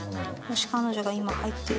もし彼女が今。